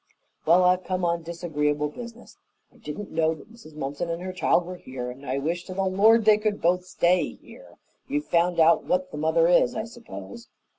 "Well, I've come on disagreeable business. I didn't know that Mrs. Mumpson and her child were here, and I wish to the Lord they could both stay here! You've found out what the mother is, I suppose?"